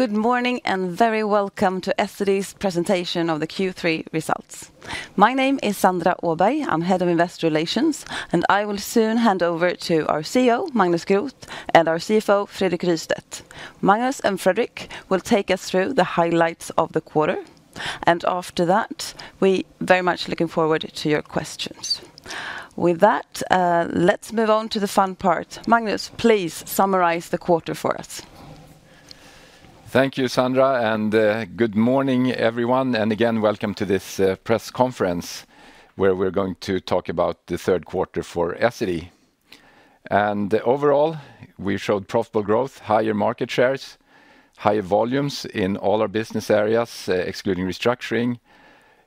Good morning, and very Welcome to Essity's presentation of the Q3 results. My name is Sandra Åberg. I'm Head of Investor Relations, and I will soon hand over to our CEO, Magnus Groth, and our CFO, Fredrik Rystedt. Magnus and Fredrik will take us through the highlights of the quarter, and after that, we very much looking forward to your questions. With that, let's move on to the fun part. Magnus, please summarize the quarter for us. Thank you, Sandra, and good morning, everyone, and again, welcome to this press conference, where we're going to talk about the third quarter for Essity. And overall, we showed profitable growth, higher market shares, higher volumes in all our business areas, excluding restructuring,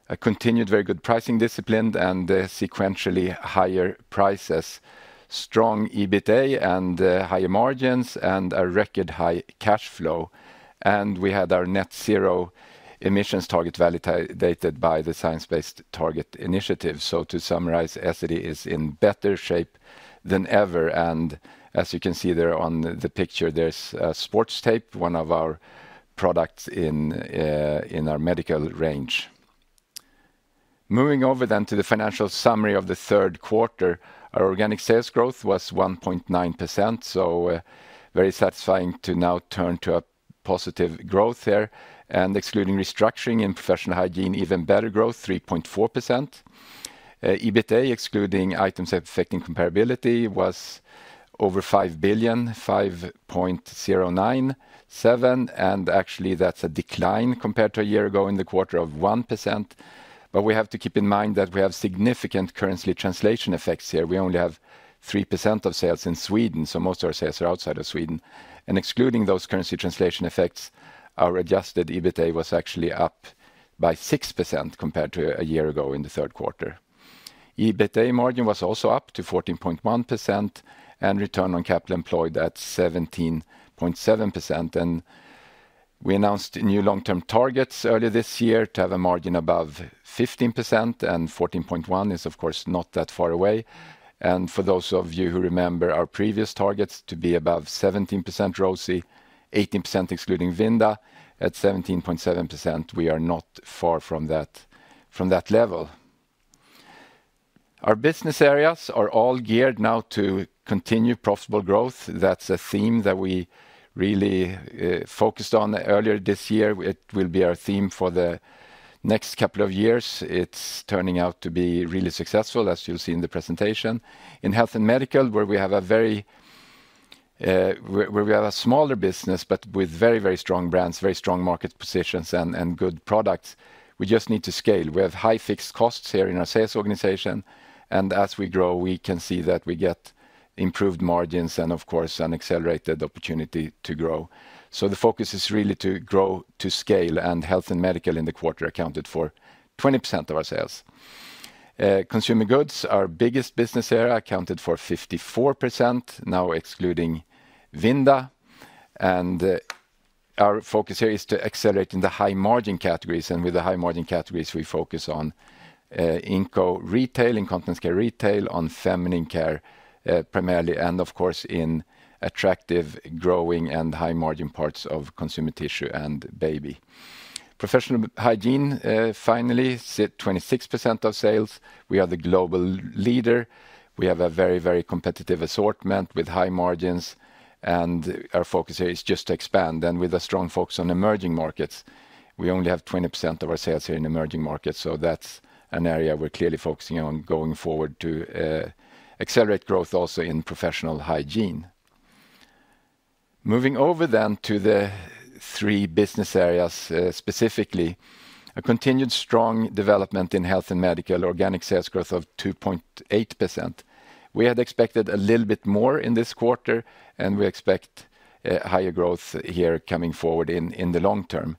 a continued very good pricing discipline, and sequentially higher prices, strong EBITA, and higher margins, and a record high cash flow. And we had our net zero emissions target validated by the Science Based Targets initiative. So to summarize, Essity is in better shape than ever, and as you can see there on the picture, there's sports tape, one of our products in our medical range. Moving over then to the financial summary of the third quarter, our organic sales growth was 1.9%, so very satisfying to now turn to a positive growth there. Excluding restructuring in Professional Hygiene, even better growth, 3.4%. EBITA, excluding items affecting comparability, was over 5.097 billion, and actually that's a decline compared to a year ago in the quarter of 1%. But we have to keep in mind that we have significant currency translation effects here. We only have 3% of sales in Sweden, so most of our sales are outside of Sweden. Excluding those currency translation effects, our adjusted EBITA was actually up by 6% compared to a year ago in the third quarter. EBITA margin was also up to 14.1%, and return on capital employed at 17.7%. We announced new long-term targets earlier this year to have a margin above 15%, and 14.1 is, of course, not that far away. And for those of you who remember our previous targets to be above 17% ROCE, 18% excluding Vinda, at 17.7%, we are not far from that, from that level. Our business areas are all geared now to continue profitable growth. That's a theme that we really focused on earlier this year. It will be our theme for the next couple of years. It's turning out to be really successful, as you'll see in the presentation. In Health & Medical, where we have a very where we have a smaller business, but with very, very strong brands, very strong market positions, and good products, we just need to scale. We have high fixed costs here in our sales organization, and as we grow, we can see that we get improved margins and, of course, an accelerated opportunity to grow. The focus is really to grow to scale, and Health & Medical in the quarter accounted for 20% of our sales. Consumer Goods, our biggest business area, accounted for 54%, now excluding Vinda, and our focus here is to accelerate in the high-margin categories, and with the high-margin categories, we focus on Inco Retail, Incontinence Care Retail, on feminine care primarily, and of course, in attractive, growing, and high-margin parts of Consumer Tissue and baby. Professional Hygiene finally sits at 26% of sales. We are the global leader. We have a very, very competitive assortment with high margins, and our focus here is just to expand. And with a strong focus on emerging markets, we only have 20% of our sales here in emerging markets, so that's an area we're clearly focusing on going forward to accelerate growth also in Professional Hygiene. Moving over then to the three business areas, specifically, a continued strong development in Health & Medical, organic sales growth of 2.8%. We had expected a little bit more in this quarter, and we expect higher growth here coming forward in the long term.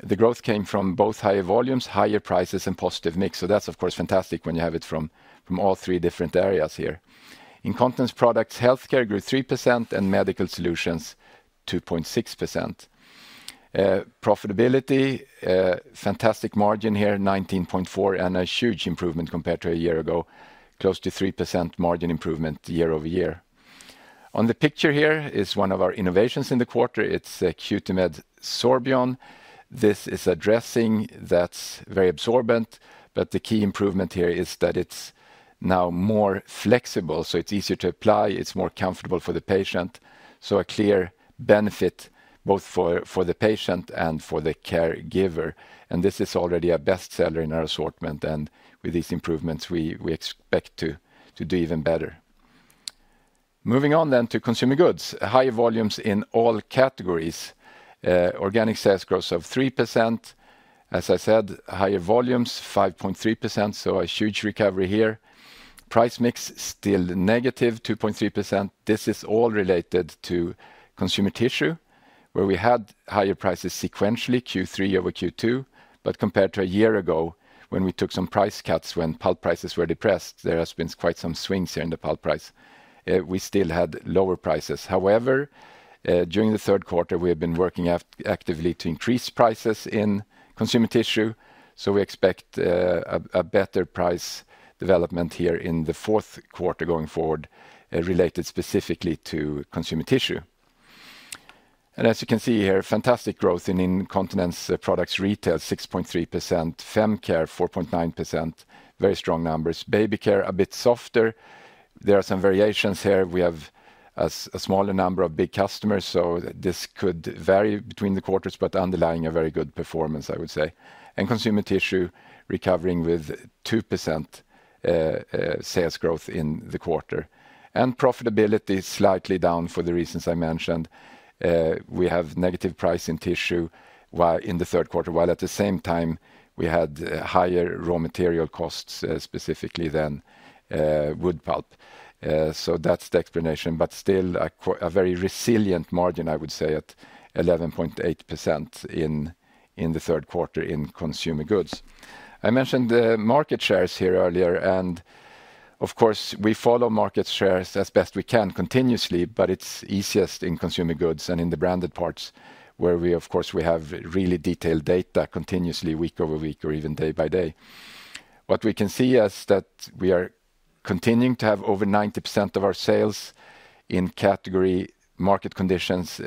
The growth came from both higher volumes, higher prices, and positive mix, so that's of course fantastic when you have it from all three different areas here. Incontinence products, healthcare grew 3%, and medical solutions, 2.6%. Profitability, fantastic margin here, 19.4%, and a huge improvement compared to a year ago, close to 3% margin improvement year-over-year. On the picture here is one of our innovations in the quarter. It's a Cutimed Sorbion. This is a dressing that's very absorbent, but the key improvement here is that it's now more flexible, so it's easier to apply, it's more comfortable for the patient, so a clear benefit both for the patient and for the caregiver. And this is already a bestseller in our assortment, and with these improvements, we expect to do even better. Moving on then to Consumer Goods. Higher volumes in all categories. Organic sales growth of 3%. As I said, higher volumes, 5.3%, so a huge recovery here. Price mix still -2.3%. This is all related to Consumer Tissue, where we had higher prices sequentially, Q3 over Q2. But compared to a year ago, when we took some price cuts when pulp prices were depressed, there has been quite some swings here in the pulp price. We still had lower prices. However, during the third quarter, we have been working actively to increase prices in Consumer Tissue, so we expect a better price development here in the fourth quarter going forward, related specifically to Consumer Tissue. And as you can see here, fantastic growth in incontinence products retail, 6.3%, fem care, 4.9%, very strong numbers. Baby care, a bit softer. There are some variations here. We have a smaller number of big customers, so this could vary between the quarters, but underlying a very good performance, I would say. Consumer tissue recovering with 2% sales growth in the quarter. Profitability slightly down for the reasons I mentioned. We have negative price in tissue while in the third quarter, while at the same time, we had higher raw material costs, specifically in wood pulp. So that's the explanation, but still a very resilient margin, I would say, at 11.8% in the third quarter in consumer goods. I mentioned the market shares here earlier, and of course, we follow market shares as best we can continuously, but it's easiest in consumer goods and in the branded parts, where we, of course, have really detailed data continuously, week over week or even day by day. What we can see is that we are continuing to have over 90% of our sales in category market conditions,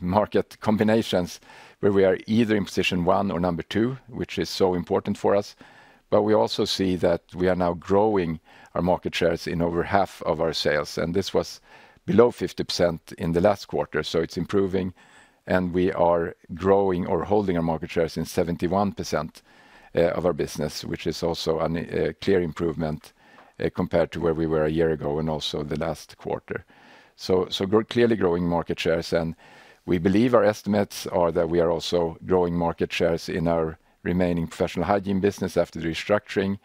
market combinations, where we are either in position one or number two, which is so important for us. But we also see that we are now growing our market shares in over half of our sales, and this was below 50% in the last quarter, so it's improving, and we are growing or holding our market shares in 71% of our business, which is also a clear improvement compared to where we were a year ago and also the last quarter. So, clearly growing market shares, and we believe our estimates are that we are also growing market shares in our remaining Professional Hygiene business after the restructuring,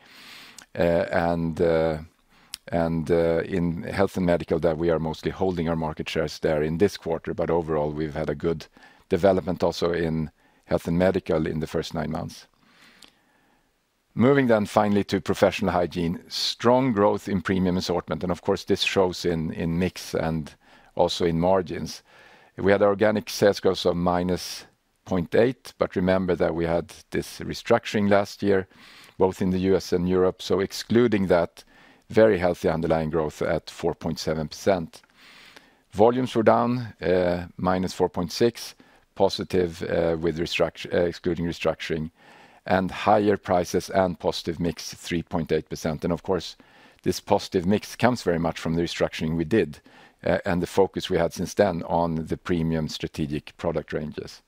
in Health & Medical, that we are mostly holding our market shares there in this quarter. But overall, we've had a good development also in Health & Medical in the first nine months. Moving then finally to Professional Hygiene, strong growth in premium assortment, and of course, this shows in mix and also in margins. We had organic sales growth of -0.8%, but remember that we had this restructuring last year, both in the U.S. and Europe. So excluding that, very healthy underlying growth at 4.7%. Volumes were down -4.6, positive with restructuring excluding restructuring, and higher prices and positive mix, 3.8%. And of course, this positive mix comes very much from the restructuring we did, and the focus we had since then on the premium strategic product ranges.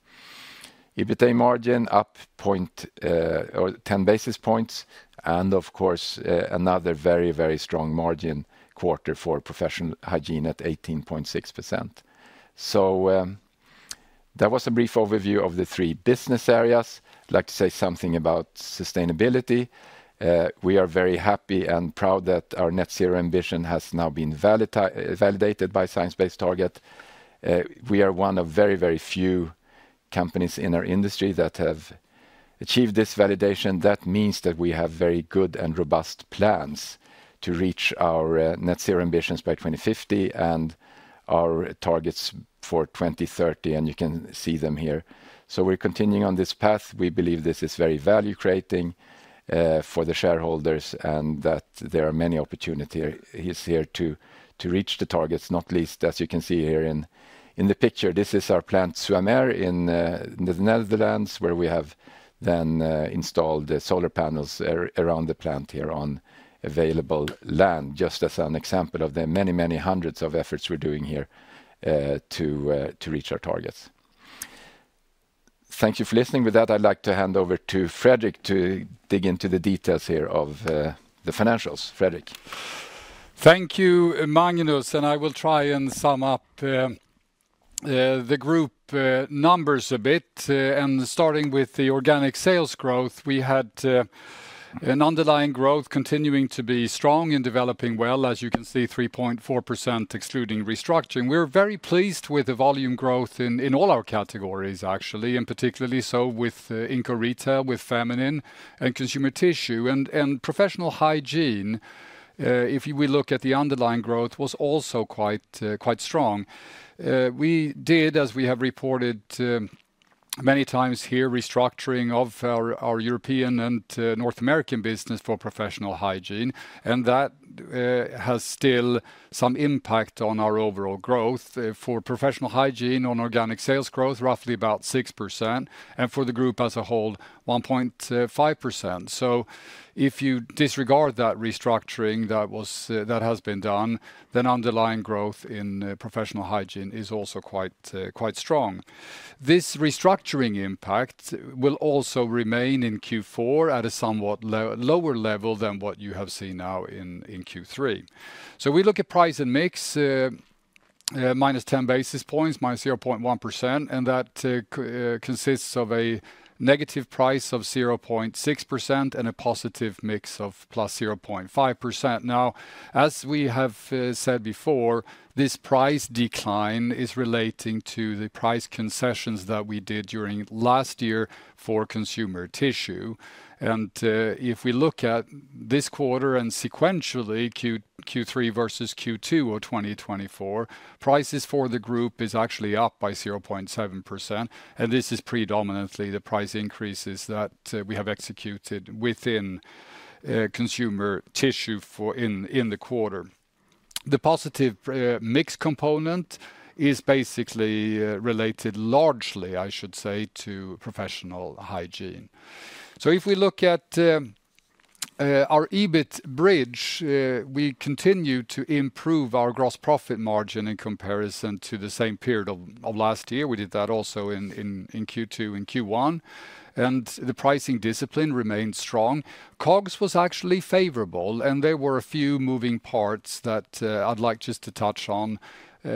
EBITA margin up 10 basis points, and of course, another very, very strong margin quarter for Professional Hygiene at 18.6%. So, that was a brief overview of the three business areas. I'd like to say something about sustainability. We are very happy and proud that our net zero ambition has now been validated by Science Based Targets. We are one of very, very few companies in our industry that have achieved this validation. That means that we have very good and robust plans to reach our net zero ambitions by 2050, and our targets for 2030, and you can see them here. So we're continuing on this path. We believe this is very value-creating for the shareholders, and that there are many opportunities here to reach the targets, not least, as you can see here in the picture. This is our plant Zoeterwoude in the Netherlands, where we have then installed solar panels around the plant here on available land, just as an example of the many, many hundreds of efforts we're doing here to reach our targets. Thank you for listening. With that, I'd like to hand over to Fredrik to dig into the details here of the financials. Fredrik? Thank you, Magnus, and I will try and sum up the group numbers a bit, and starting with the organic sales growth, we had an underlying growth continuing to be strong and developing well. As you can see, 3.4% excluding restructuring. We're very pleased with the volume growth in all our categories, actually, and particularly so with Inco Retail, with Feminine, and Consumer Tissue. And Professional Hygiene, if you will look at the underlying growth, was also quite strong. We did, as we have reported many times here, restructuring of our European and North American business for Professional Hygiene, and that has still some impact on our overall growth. For Professional Hygiene on organic sales growth, roughly about 6%, and for the group as a whole, 1.5%. So if you disregard that restructuring that was, that has been done, then underlying growth in Professional Hygiene is also quite, quite strong. This restructuring impact will also remain in Q4 at a somewhat lower level than what you have seen now in Q3. So we look at price and mix, -10 basis points, -0.1%, and that consists of a negative price of 0.6% and a positive mix of +0.5%. Now, as we have said before, this price decline is relating to the price concessions that we did during last year for Consumer Tissue. If we look at this quarter and sequentially, Q3 versus Q2 of 2024, prices for the group is actually up by 0.7%, and this is predominantly the price increases that we have executed within Consumer Tissue in the quarter. The positive mix component is basically related largely, I should say, to Professional Hygiene. If we look at our EBIT bridge, we continue to improve our gross profit margin in comparison to the same period of last year. We did that also in Q2 and Q1, and the pricing discipline remained strong. COGS was actually favorable, and there were a few moving parts that I'd like just to touch on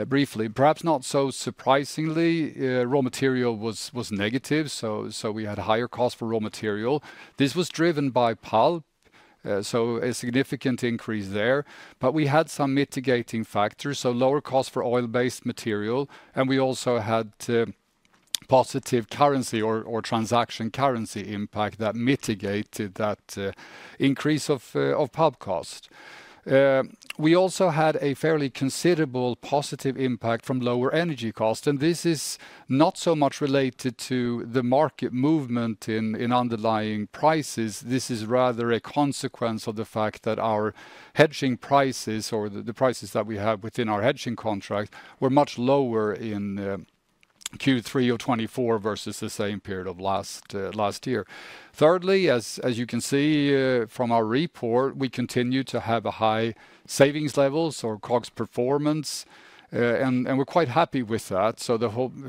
briefly. Perhaps not so surprisingly, raw material was negative, so we had higher cost for raw material. This was driven by pulp, so a significant increase there. But we had some mitigating factors, so lower cost for oil-based material, and we also had positive currency or transaction currency impact that mitigated that increase of pulp cost. We also had a fairly considerable positive impact from lower energy cost, and this is not so much related to the market movement in underlying prices. This is rather a consequence of the fact that our hedging prices, or the prices that we have within our hedging contract, were much lower in Q3 of 2024 versus the same period of last year. Thirdly, as you can see from our report, we continue to have a high savings levels or COGS performance, and we're quite happy with that.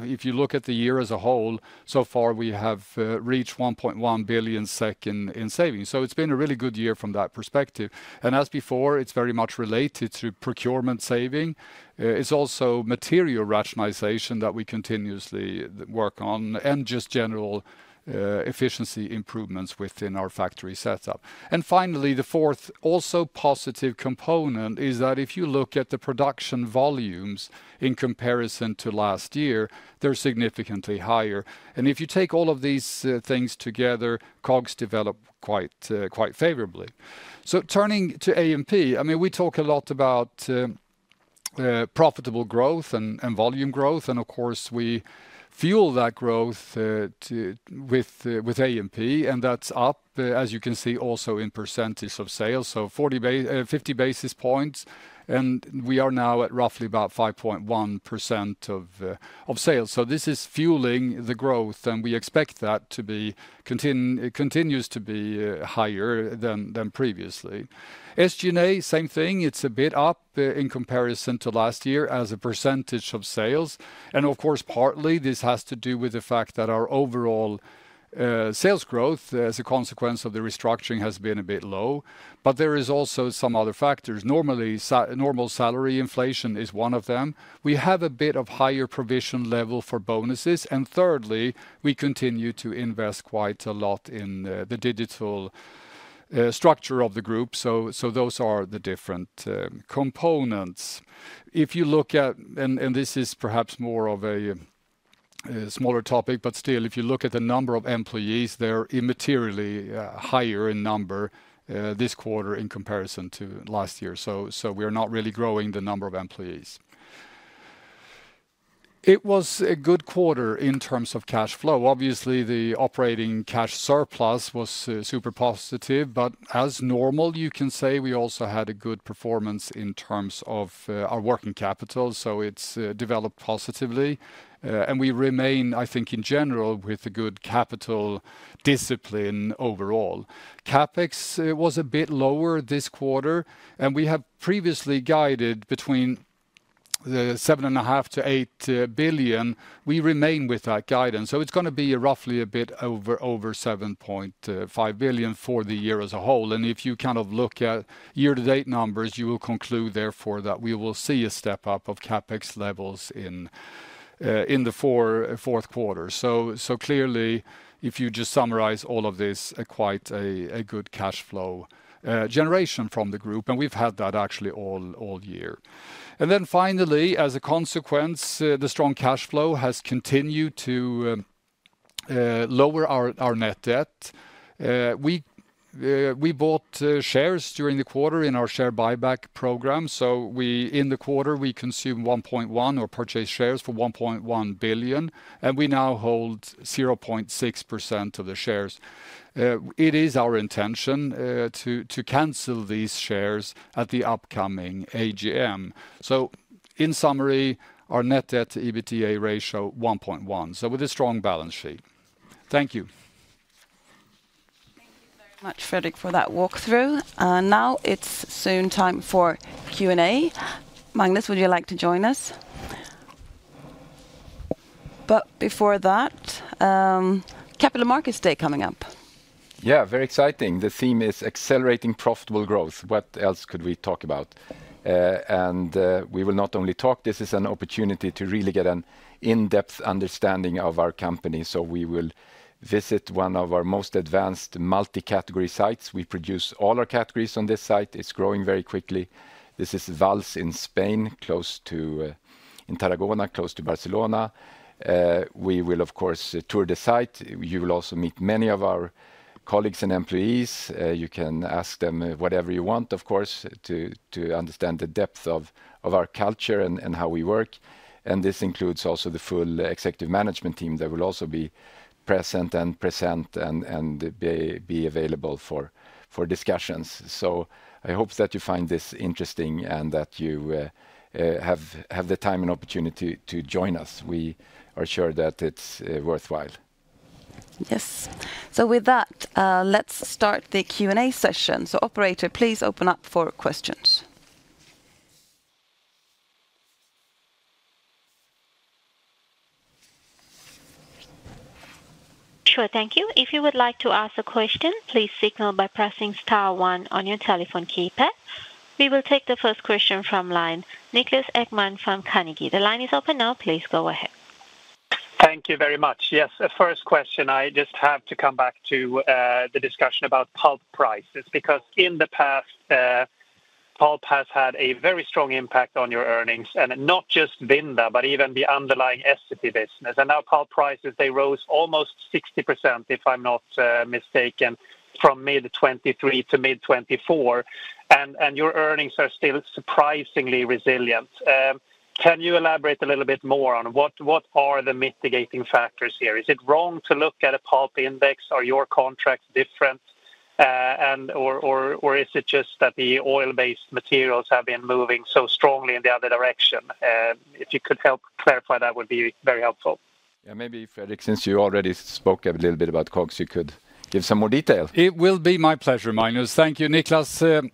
If you look at the year as a whole, so far we have reached 1.1 billion in savings, so it's been a really good year from that perspective. And as before, it's very much related to procurement saving. It's also material rationalization that we continuously work on, and just general efficiency improvements within our factory setup. And finally, the fourth also positive component is that if you look at the production volumes in comparison to last year, they're significantly higher. And if you take all of these things together, COGS develop quite quite favorably. So turning to A&P, I mean, we talk a lot about profitable growth and volume growth, and of course, we fuel that growth to... with A&P, and that's up, as you can see, also in percentage of sales, so 50 basis points, and we are now at roughly about 5.1% of sales. So this is fueling the growth, and we expect that to continues to be higher than previously. SG&A, same thing, it's a bit up in comparison to last year as a percentage of sales. And of course, partly this has to do with the fact that our overall sales growth, as a consequence of the restructuring, has been a bit low, but there is also some other factors. Normally, normal salary inflation is one of them. We have a bit of higher provision level for bonuses, and thirdly, we continue to invest quite a lot in the digital structure of the group. Those are the different components. If you look at and this is perhaps more of a smaller topic, but still, if you look at the number of employees, they're immaterially higher in number this quarter in comparison to last year. We are not really growing the number of employees. It was a good quarter in terms of cash flow. Obviously, the operating cash surplus was super positive, but as normal, you can say, we also had a good performance in terms of our working capital, so it's developed positively. We remain, I think, in general, with a good capital discipline overall. CapEx was a bit lower this quarter, and we have previously guided between 7.5 billion - 8 billion. We remain with that guidance, so it's gonna be roughly a bit over 7.5 billion for the year as a whole. And if you kind of look at year-to-date numbers, you will conclude, therefore, that we will see a step-up of CapEx levels in the fourth quarter. So clearly, if you just summarize all of this, quite a good cash flow generation from the group, and we've had that actually all year. And then finally, as a consequence, the strong cash flow has continued to lower our net debt. We bought shares during the quarter in our share buyback program, so we, in the quarter, we consumed 1.1 billion, or purchased shares for 1.1 billion, and we now hold 0.6% of the shares. It is our intention to cancel these shares at the upcoming AGM, so in summary, our net debt to EBITA ratio 1.1, so with a strong balance sheet. Thank you. Thank you very much, Fredrik, for that walkthrough. And now it's soon time for Q&A. Magnus, would you like to join us? But before that, Capital Markets Day coming up. Yeah, very exciting. The theme is accelerating profitable growth. What else could we talk about? And we will not only talk, this is an opportunity to really get an in-depth understanding of our company. So we will visit one of our most advanced multi-category sites. We produce all our categories on this site. It's growing very quickly. This is Valls in Spain, close to in Tarragona, close to Barcelona. We will, of course, tour the site. You will also meet many of our colleagues and employees. You can ask them whatever you want, of course, to understand the depth of our culture and how we work, and this includes also the full executive management team that will also be present and be available for discussions. So I hope that you find this interesting and that you have the time and opportunity to join us. We are sure that it's worthwhile. Yes. So with that, let's start the Q&A session. So operator, please open up for questions. Sure, thank you. If you would like to ask a question, please signal by pressing star one on your telephone keypad. We will take the first question from line. Niklas Ekman from Carnegie. The line is open now. Please go ahead. Thank you very much. Yes, first question, I just have to come back to the discussion about pulp prices, because in the past, pulp has had a very strong impact on your earnings, and not just Vinda, but even the underlying Essity business, and now pulp prices they rose almost 60%, if I'm not mistaken, from mid-2023 to mid-2024, and your earnings are still surprisingly resilient. Can you elaborate a little bit more on what are the mitigating factors here? Is it wrong to look at a pulp index? Are your contracts different, and or is it just that the oil-based materials have been moving so strongly in the other direction? If you could help clarify, that would be very helpful. Yeah, maybe Fredrik, since you already spoke a little bit about COGS, you could give some more detail. It will be my pleasure, Magnus. Thank you, Niklas.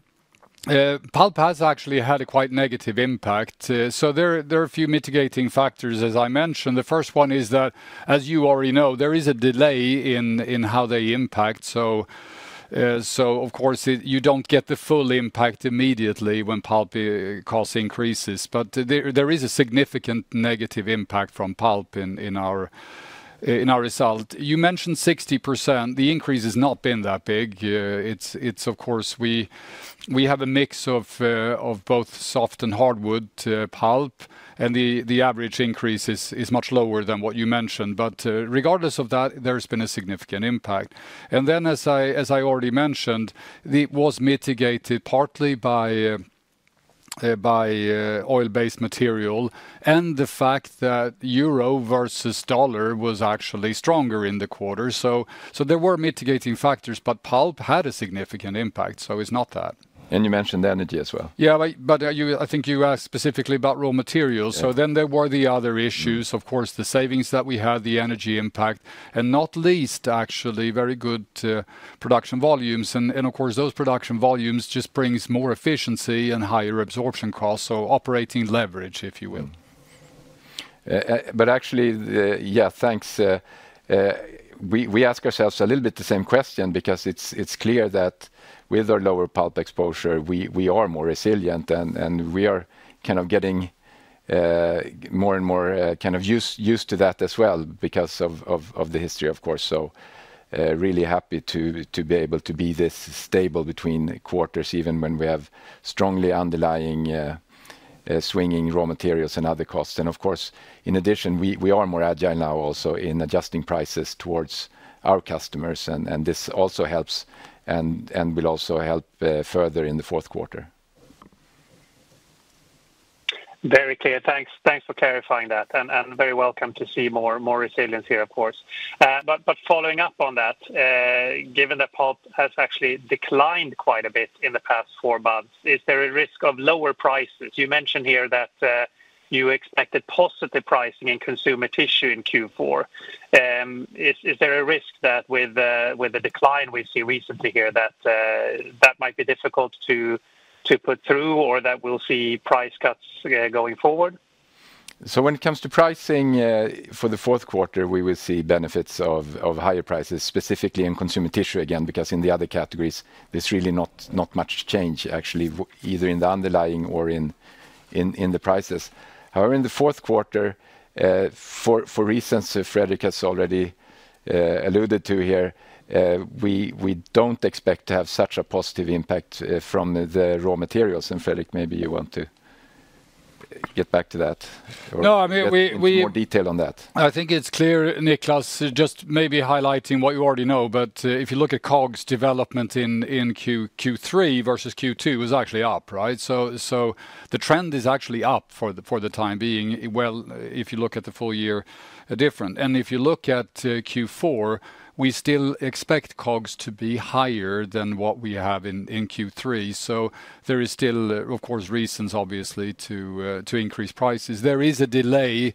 Pulp has actually had a quite negative impact, so there are a few mitigating factors, as I mentioned. The first one is that, as you already know, there is a delay in how they impact. So, of course, you don't get the full impact immediately when pulp cost increases. But there is a significant negative impact from pulp in our result. You mentioned 60%. The increase has not been that big. It's of course... We have a mix of both soft and hardwood pulp, and the average increase is much lower than what you mentioned. But, regardless of that, there's been a significant impact. And then, as I already mentioned, it was mitigated partly by oil-based material and the fact that euro versus dollar was actually stronger in the quarter. So there were mitigating factors, but pulp had a significant impact, so it's not that. You mentioned energy as well. Yeah, but I... But you, I think you asked specifically about raw materials. Yeah. So then there were the other issues, of course, the savings that we had, the energy impact, and not least, actually, very good production volumes. And of course, those production volumes just brings more efficiency and higher absorption costs, so operating leverage, if you will. But actually, yeah, thanks. We ask ourselves a little bit the same question, because it's clear that with our lower pulp exposure, we are more resilient, and we are kind of getting more and more kind of used to that as well, because of the history, of course. So, really happy to be able to be this stable between quarters, even when we have strongly underlying swinging raw materials and other costs. And of course, in addition, we are more agile now also in adjusting prices towards our customers, and this also helps and will also help further in the fourth quarter. Very clear. Thanks. Thanks for clarifying that, and very welcome to see more resilience here, of course, but following up on that, given that pulp has actually declined quite a bit in the past four months, is there a risk of lower prices? You mentioned here that you expected positive pricing in Consumer Tissue in Q4. Is there a risk that with the decline we see recently here, that might be difficult to put through, or that we'll see price cuts going forward? So when it comes to pricing, for the fourth quarter, we will see benefits of higher prices, specifically in Consumer Tissue, again, because in the other categories, there's really not much change, actually, either in the underlying or in the prices. However, in the fourth quarter, for reasons Fredrik has already alluded to here, we don't expect to have such a positive impact from the raw materials. And Fredrik, maybe you want to get back to that or- No, I mean, we- More detail on that. I think it's clear, Niklas, just maybe highlighting what you already know, but if you look at COGS' development in Q3 versus Q2, it was actually up, right? So the trend is actually up for the time being. Well, if you look at the full year, different, and if you look at Q4, we still expect COGS to be higher than what we have in Q3, so there is still, of course, reasons, obviously, to increase prices. There is a delay,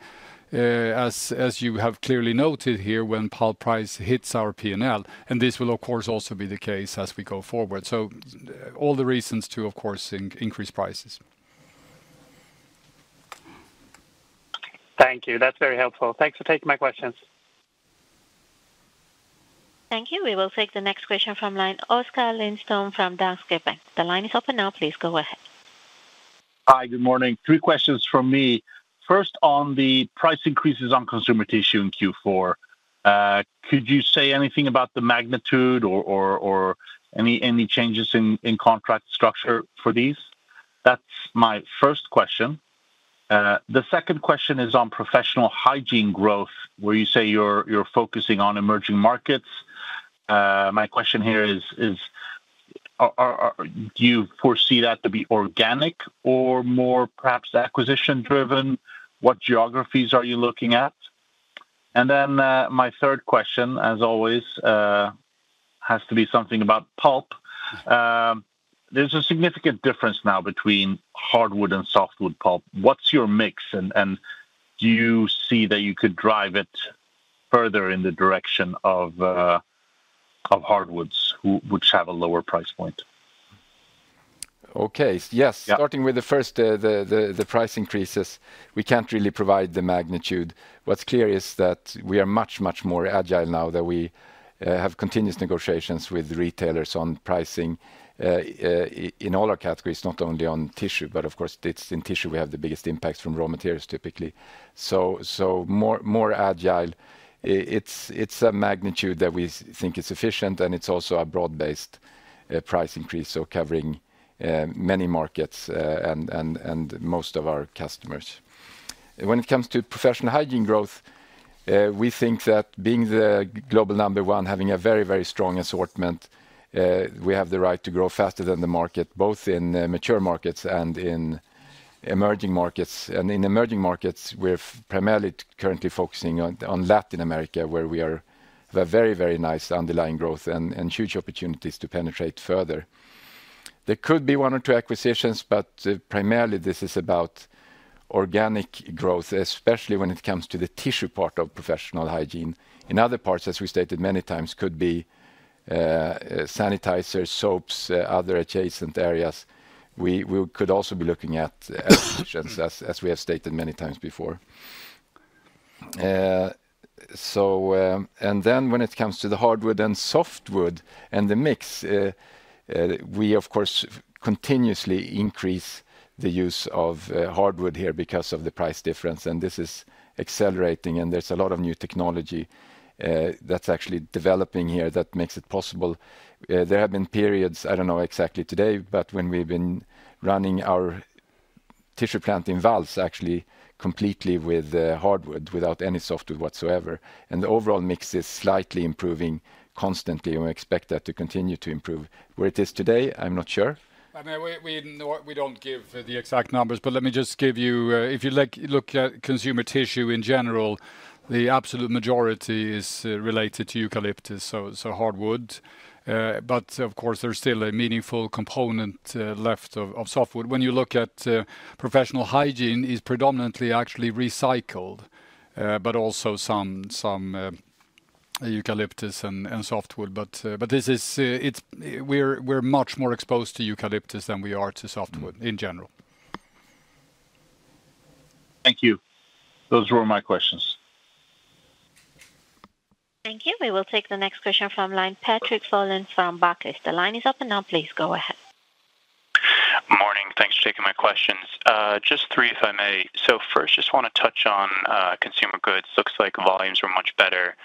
as you have clearly noted here, when pulp price hits our P&L, and this will of course also be the case as we go forward. So all the reasons to, of course, increase prices. Thank you. That's very helpful. Thanks for taking my questions. Thank you. We will take the next question from line, Oskar Lindström from Danske Bank. The line is open now. Please go ahead. Hi, good morning. Three questions from me. First, on the price increases on Consumer Tissue in Q4, could you say anything about the magnitude or any changes in contract structure for these? That's my first question. The second question is on Professional Hygiene growth, where you say you're focusing on emerging markets. My question here is, do you foresee that to be organic or more perhaps acquisition-driven? What geographies are you looking at? And then, my third question, as always, has to be something about pulp. There's a significant difference now between hardwood and softwood pulp. What's your mix? And do you see that you could drive it further in the direction of hardwoods, which have a lower price point? Okay. Yes. Yeah. Starting with the first, the price increases, we can't really provide the magnitude. What's clear is that we are much, much more agile now that we have continuous negotiations with retailers on pricing in all our categories, not only on tissue, but of course, it's in tissue we have the biggest impacts from raw materials, typically. So more agile. It's a magnitude that we think is sufficient, and it's also a broad-based price increase, so covering many markets and most of our customers. When it comes to Professional Hygiene growth, we think that being the global number one, having a very, very strong assortment, we have the right to grow faster than the market, both in mature markets and in emerging markets. And in emerging markets, we're primarily currently focusing on Latin America, where we are. We have very, very nice underlying growth and huge opportunities to penetrate further. There could be one or two acquisitions, but primarily this is about organic growth, especially when it comes to the tissue part of Professional Hygiene. In other parts, as we stated many times, could be sanitizers, soaps, other adjacent areas. We could also be looking at acquisitions, as we have stated many times before. And then when it comes to the hardwood and softwood and the mix, we, of course, continuously increase the use of hardwood here because of the price difference, and this is accelerating, and there's a lot of new technology that's actually developing here that makes it possible. There have been periods, I don't know exactly today, but when we've been running our tissue plant in Valls, actually, completely with hardwood, without any softwood whatsoever, and the overall mix is slightly improving constantly, and we expect that to continue to improve. Where it is today, I'm not sure. I mean, we don't give the exact numbers, but let me just give you... If you like, look at Consumer Tissue in general, the absolute majority is related to eucalyptus, so hardwood. But of course, there's still a meaningful component left of softwood. When you look at Professional Hygiene, it's predominantly actually recycled, but also some eucalyptus and softwood. But this is, it's, we're much more exposed to eucalyptus than we are to softwood- Mm-hmm in general. Thank you. Those were my questions. Thank you. We will take the next question from line, Patrick Folan from Barclays. The line is open now. Please go ahead. Morning. Thanks for taking my questions. Just three, if I may. So first, just want to touch on, Consumer Goods. Looks like volumes were much better,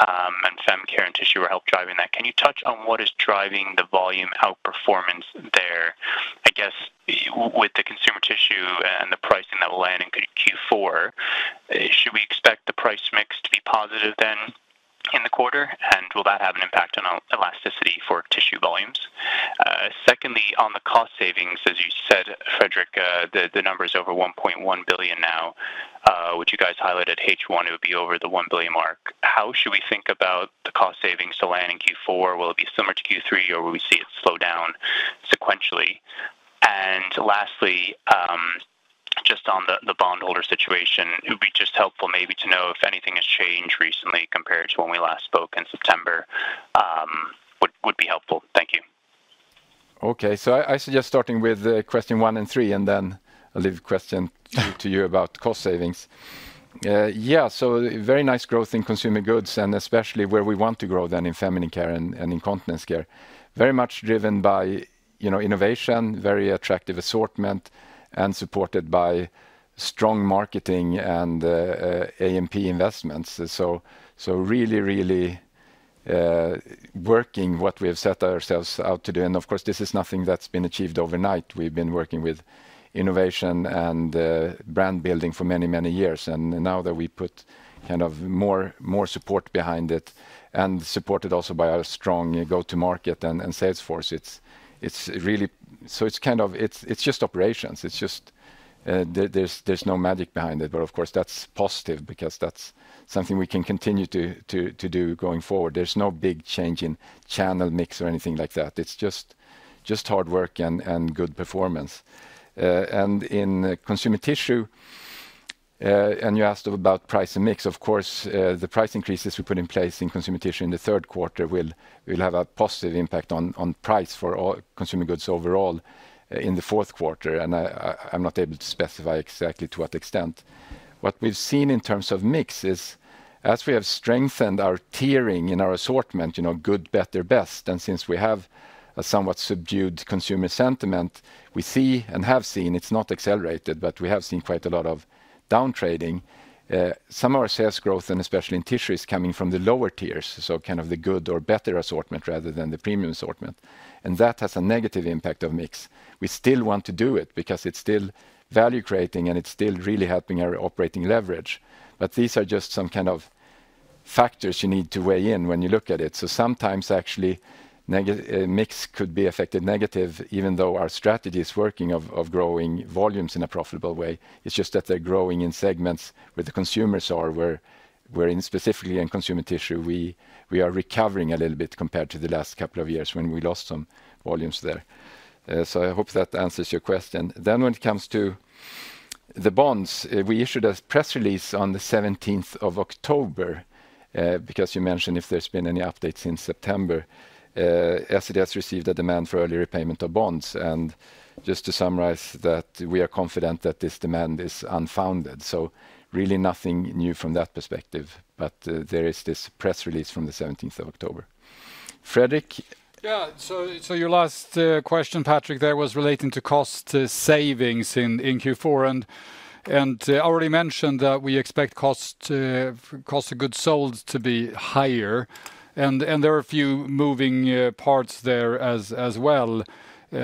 and fem care and tissue were helping drive that. Can you touch on what is driving the volume outperformance there? I guess with the Consumer Tissue and the pricing that will land in Q4, should we expect the price mix to be positive then in the quarter, and will that have an impact on elasticity for tissue volumes? Secondly, on the cost savings, as you said, Fredrik, the number is over one point one billion now, which you guys highlighted H1, it would be over the one billion mark. How should we think about the cost savings to land in Q4? Will it be similar to Q3, or will we see it slow down sequentially? And lastly, just on the bondholder situation, it would be just helpful maybe to know if anything has changed recently compared to when we last spoke in September, would be helpful. Thank you. Okay. I suggest starting with question one and three, and then I'll leave question two to you about cost savings. Yeah, so very nice growth in consumer goods, and especially where we want to grow then in feminine care and incontinence care. Very much driven by, you know, innovation, very attractive assortment, and supported by strong marketing and A&P investments. Really working what we have set ourselves out to do. And of course, this is nothing that's been achieved overnight. We've been working with innovation and brand building for many, many years, and now that we put kind of more support behind it, and supported also by our strong go-to market and sales force, it's really. It's kind of just operations. It's just. There's no magic behind it. But of course, that's positive because that's something we can continue to do going forward. There's no big change in channel mix or anything like that. It's just hard work and good performance. And in Consumer Tissue, and you asked about price and mix. Of course, the price increases we put in place in Consumer Tissue in the third quarter will have a positive impact on price for all consumer goods overall, in the fourth quarter, and I'm not able to specify exactly to what extent. What we've seen in terms of mix is, as we have strengthened our tiering in our assortment, you know, good, better, best, and since we have a somewhat subdued consumer sentiment, we see and have seen, it's not accelerated, but we have seen quite a lot of-... Downtrading, some of our sales growth, and especially in tissue, is coming from the lower tiers, so kind of the good or better assortment rather than the premium assortment, and that has a negative impact of mix. We still want to do it because it's still value-creating, and it's still really helping our operating leverage, but these are just some kind of factors you need to weigh in when you look at it. So sometimes actually mix could be affected negative, even though our strategy is working of growing volumes in a profitable way. It's just that they're growing in segments where the consumers are, where in specifically in Consumer Tissue, we are recovering a little bit compared to the last couple of years when we lost some volumes there. So I hope that answers your question. Then when it comes to the bonds, we issued a press release on the 17th October, because you mentioned if there's been any updates since September. Essity has received a demand for early repayment of bonds, and just to summarize that, we are confident that this demand is unfounded, so really nothing new from that perspective, but there is this press release from the 17th October. Fredrik? Yeah, so your last question, Patrick, that was relating to cost savings in Q4, and I already mentioned that we expect cost of goods sold to be higher, and there are a few moving parts there as well.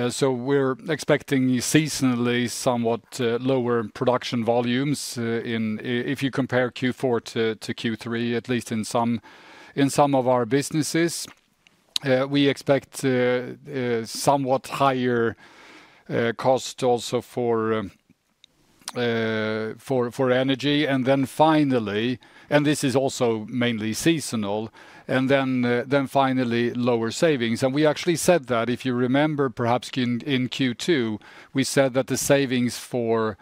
So we're expecting seasonally somewhat lower production volumes if you compare Q4 to Q3, at least in some of our businesses. We expect somewhat higher cost also for energy, and then finally, and this is also mainly seasonal, then finally lower savings. We actually said that, if you remember, perhaps in Q2, we said that the savings for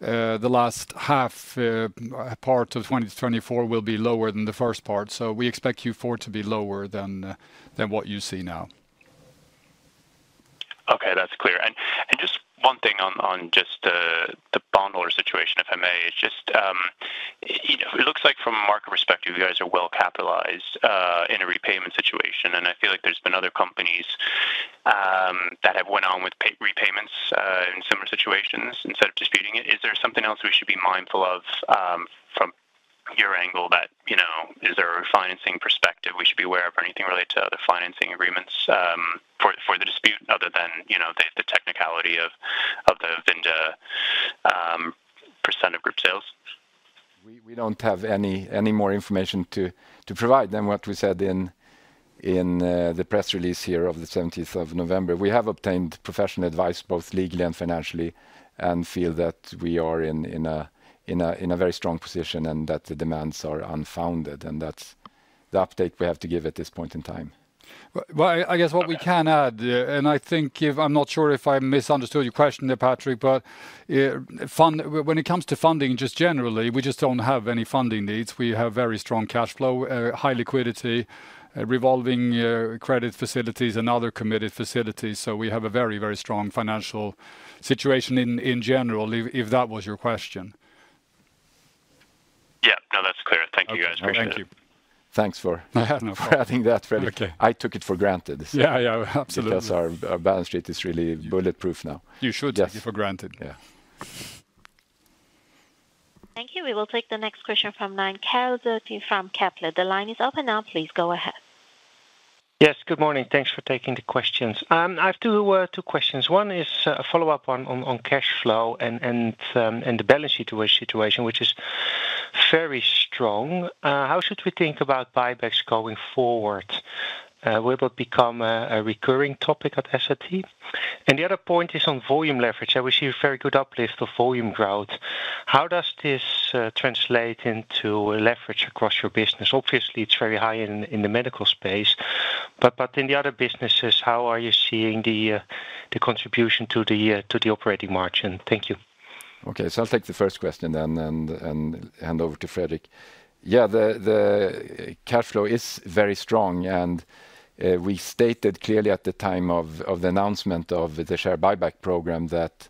the last half part of 2024 will be lower than the first part, so we expect Q4 to be lower than what you see now. Okay, that's clear. And just one thing on just the bondholder situation, if I may. It's just, you know, it looks like from a market perspective, you guys are well-capitalized in a repayment situation, and I feel like there's been other companies that have went on with repayments in similar situations instead of disputing it. Is there something else we should be mindful of from your angle that, you know, is there a refinancing perspective we should be aware of, or anything related to other financing agreements for the dispute, other than, you know, the technicality of the Vinda % of group sales? We don't have any more information to provide than what we said in the press release here of the 17th November. We have obtained professional advice, both legally and financially, and feel that we are in a very strong position, and that the demands are unfounded, and that's the update we have to give at this point in time. Well, I guess what we can add, and I think if... I'm not sure if I misunderstood your question there, Patrick, but, when it comes to funding, just generally, we just don't have any funding needs. We have very strong cash flow, high liquidity, revolving credit facilities, and other committed facilities, so we have a very, very strong financial situation in general, if that was your question. Yeah. No, that's clear. Thank you, guys. Okay. Appreciate it. Thank you. Thanks for- No problem adding that, Fredrik. Okay. I took it for granted. Yeah, yeah, absolutely. Because our balance sheet is really bulletproof now. You should- Yes take it for granted. Yeah. Thank you. We will take the next question from line, Karel Zoete from Kepler. The line is open now. Please go ahead. Yes, good morning. Thanks for taking the questions. I have two questions. One is a follow-up on cash flow and the balance sheet situation, which is very strong. How should we think about buybacks going forward? Will it become a recurring topic at Essity? And the other point is on volume leverage. I will see a very good uplift of volume growth. How does this translate into leverage across your business? Obviously, it's very high in the medical space, but in the other businesses, how are you seeing the contribution to the operating margin? Thank you. Okay, so I'll take the first question then and hand over to Fredrik. Yeah, the cash flow is very strong, and we stated clearly at the time of the announcement of the share buyback program that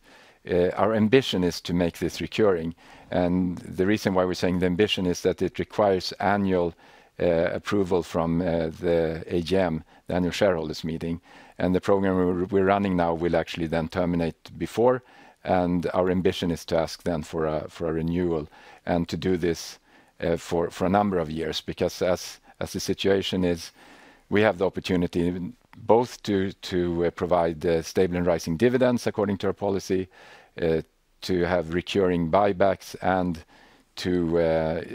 our ambition is to make this recurring. And the reason why we're saying the ambition is that it requires annual approval from the AGM, the annual shareholders meeting. And the program we're running now will actually then terminate before, and our ambition is to ask then for a renewal and to do this for a number of years. Because as the situation is, we have the opportunity both to provide stable and rising dividends according to our policy, to have recurring buybacks and to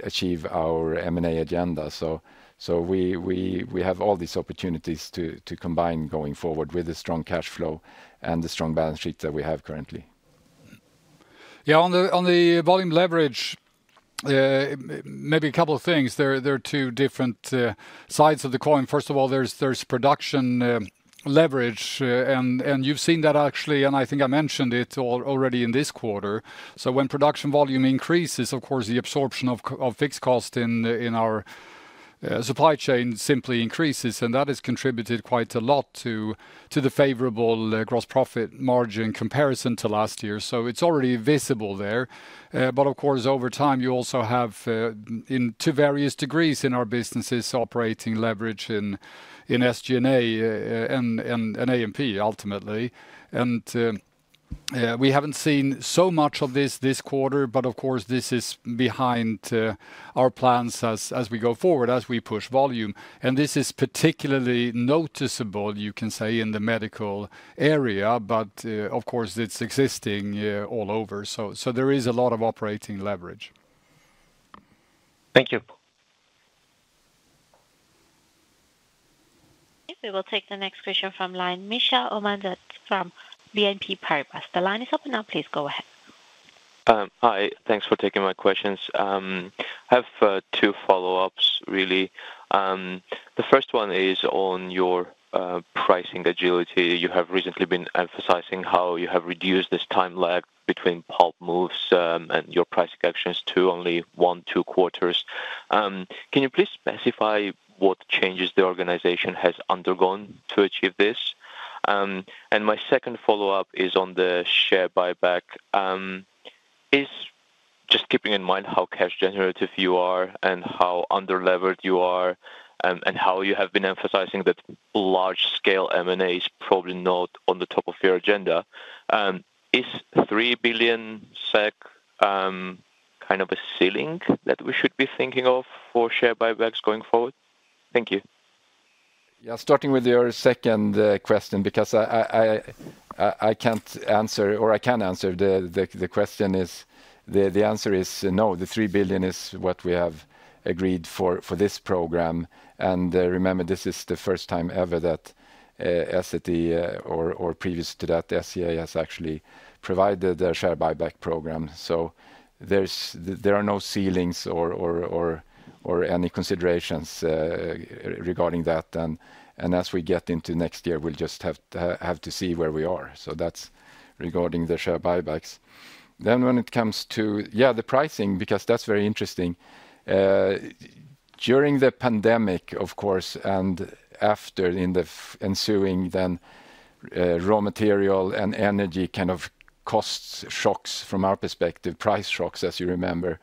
achieve our M&A agenda. We have all these opportunities to combine going forward with the strong cash flow and the strong balance sheet that we have currently. Yeah, on the volume leverage, maybe a couple of things. There are two different sides of the coin. First of all, there's production leverage, and you've seen that actually, and I think I mentioned it already in this quarter. So when production volume increases, of course, the absorption of fixed cost in our supply chain simply increases, and that has contributed quite a lot to the favorable gross profit margin in comparison to last year. So it's already visible there. But of course, over time, you also have, to various degrees in our businesses, operating leverage in SG&A, and A&P, ultimately. And Yeah, we haven't seen so much of this this quarter, but of course this is behind our plans as we go forward as we push volume, and this is particularly noticeable, you can say, in the medical area, but of course it's existing yeah all over, so there is a lot of operating leverage. Thank you. Okay, we will take the next question from line, Mikheil Omanadze from BNP Paribas. The line is open now, please go ahead. Hi, thanks for taking my questions. I have two follow-ups, really. The first one is on your pricing agility. You have recently been emphasizing how you have reduced this time lag between pulp moves and your pricing actions to only one, two quarters. Can you please specify what changes the organization has undergone to achieve this? My second follow-up is on the share buyback. Is, just keeping in mind how cash generative you are and how under-levered you are, and how you have been emphasizing that large-scale M&A is probably not on the top of your agenda, 3 billion SEK kind of a ceiling that we should be thinking of for share buybacks going forward? Thank you. Yeah, starting with your second question, because I can't answer or I can answer the question is. The answer is no. The 3 billion is what we have agreed for this program, and remember, this is the first time ever that Essity or previous to that, SCA, has actually provided a share buyback program. So there are no ceilings or any considerations regarding that, and as we get into next year, we'll just have to see where we are. So that's regarding the share buybacks. Then when it comes to, yeah, the pricing, because that's very interesting. During the pandemic, of course, and after, in the ensuing then, raw material and energy kind of cost shocks from our perspective, price shocks, as you remember,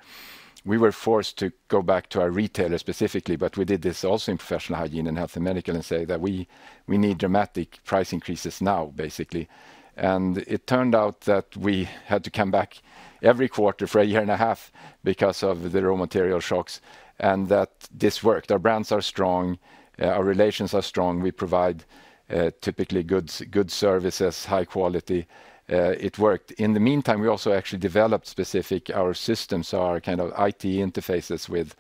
we were forced to go back to our retailers specifically, but we did this also in Professional Hygiene and Health & Medical, and say that we need dramatic price increases now, basically. It turned out that we had to come back every quarter for a year and a half because of the raw material shocks, and that this worked. Our brands are strong, our relations are strong. We provide typically good services, high quality. It worked. In the meantime, we also actually developed specific, our systems, our kind of IT interfaces with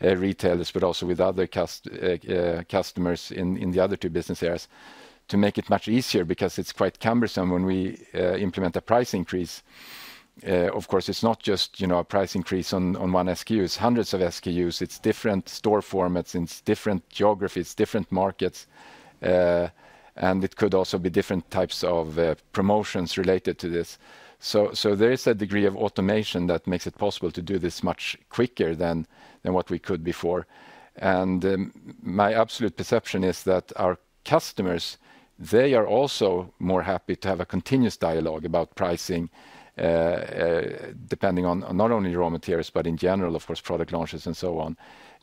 retailers, but also with other customers in the other two business areas, to make it much easier because it's quite cumbersome when we implement a price increase. Of course, it's not just, you know, a price increase on one SKU, it's hundreds of SKUs, it's different store formats, it's different geographies, different markets, and it could also be different types of promotions related to this. So there is a degree of automation that makes it possible to do this much quicker than what we could before. And, my absolute perception is that our customers, they are also more happy to have a continuous dialogue about pricing, depending on not only raw materials, but in general, of course, product launches and so on,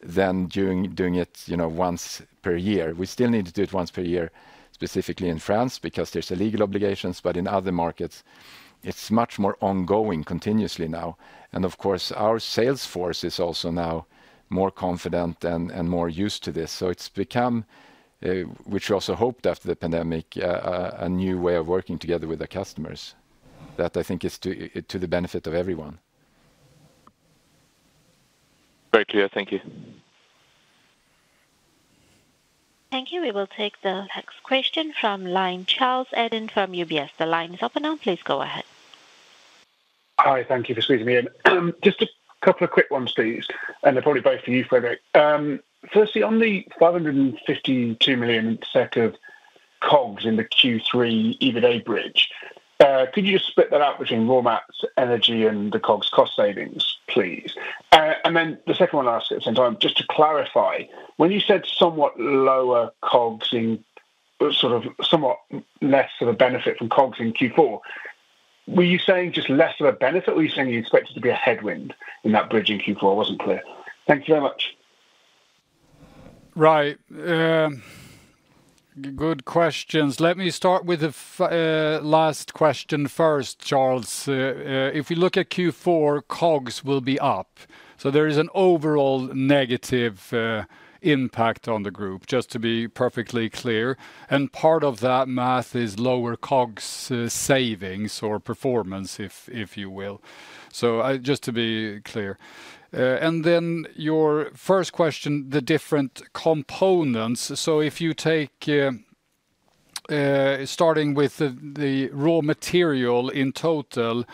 than doing it, you know, once per year. We still need to do it once per year, specifically in France, because there's a legal obligations, but in other markets, it's much more ongoing, continuously now. And of course, our sales force is also now more confident and more used to this. So it's become a new way of working together with the customers, that I think is to the benefit of everyone. Very clear. Thank you. Thank you. We will take the next question from line, Charles Eden from UBS. The line is open now, please go ahead. Hi, thank you for squeezing me in. Just a couple of quick ones, please, and they're probably both for you, Fredrik. Firstly, on the 552 million SEK of COGS in the Q3, EBITA bridge, could you just split that up between raw mats, energy, and the COGS cost savings, please? And then the second one I'll ask at the same time, just to clarify, when you said somewhat lower COGS in sort of somewhat less of a benefit from COGS in Q4, were you saying just less of a benefit, or were you saying you expected to be a headwind in that bridge in Q4? It wasn't clear. Thank you very much. Right. Good questions. Let me start with the last question first, Charles. If you look at Q4, COGS will be up. So there is an overall negative impact on the group, just to be perfectly clear. Part of that math is lower COGS savings or performance, if you will. So, just to be clear. Then your first question, the different components. So if you take, starting with the raw material in total,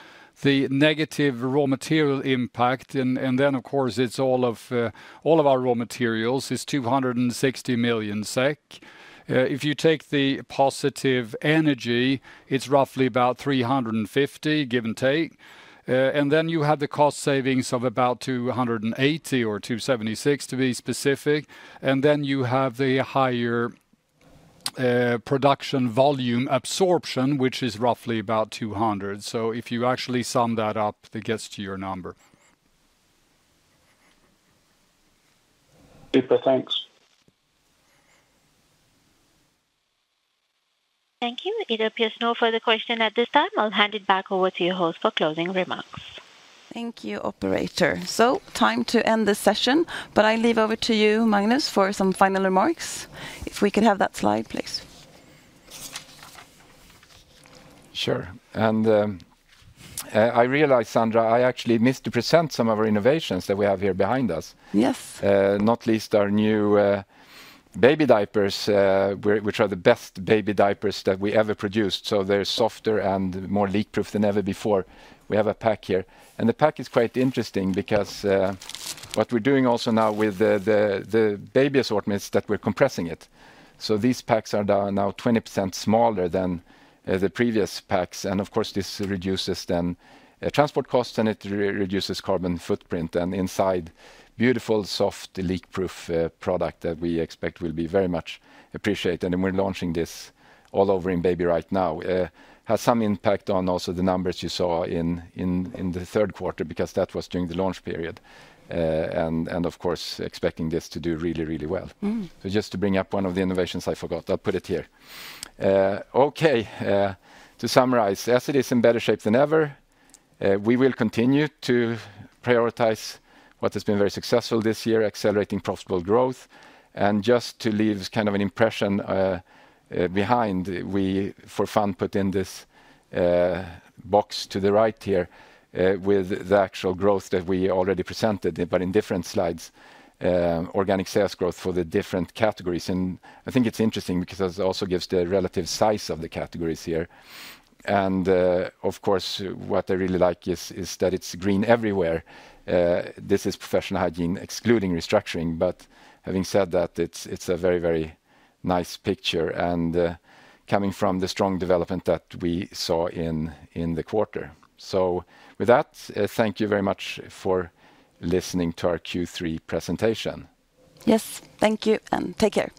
the negative raw material impact, and then, of course, it is all of our raw materials is 260 million SEK. If you take the positive energy, it is roughly about 350, give and take. And then you have the cost savings of about 280 or 276, to be specific. And then you have the higher production volume absorption, which is roughly about 200. So if you actually sum that up, it gets to your number. Super. Thanks! Thank you. It appears no further question at this time. I'll hand it back over to your host for closing remarks. Thank you, operator. So time to end this session, but I leave over to you, Magnus, for some final remarks. If we could have that slide, please. Sure, and I realized, Sandra, I actually missed to present some of our innovations that we have here behind us. Yes. Not least our new baby diapers, which are the best baby diapers that we ever produced, so they're softer and more leak-proof than ever before. We have a pack here, and the pack is quite interesting because what we're doing also now with the baby assortment is that we're compressing it. So these packs are now 20% smaller than the previous packs, and of course, this reduces then transport costs, and it reduces carbon footprint. And inside, beautiful, soft, leak-proof product that we expect will be very much appreciated. And we're launching this all over in baby right now. Has some impact on also the numbers you saw in the third quarter, because that was during the launch period. And of course, expecting this to do really, really well. Mm. Just to bring up one of the innovations I forgot, I'll put it here. Okay, to summarize, Essity is in better shape than ever. We will continue to prioritize what has been very successful this year, accelerating profitable growth. Just to leave kind of an impression behind, we for fun put in this box to the right here with the actual growth that we already presented, but in different slides, organic sales growth for the different categories. I think it's interesting because it also gives the relative size of the categories here. Of course, what I really like is that it's green everywhere. This is Professional Hygiene, excluding restructuring. But having said that, it's a very very nice picture and coming from the strong development that we saw in the quarter. So with that, thank you very much for listening to our Q3 presentation. Yes, thank you, and take care.